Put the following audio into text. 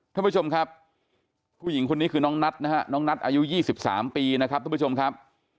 ท่านผู้ชมครับผู้หญิงคนนี้คือน้องนัทนะฮะน้องนัทอายุ๒๓ปีนะครับทุกผู้ชมครับ